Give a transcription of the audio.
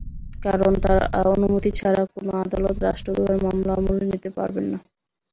কারণ, তার অনুমতি ছাড়া কোনো আদালত রাষ্ট্রদ্রোহের মামলা আমলে নিতে পারবেন না।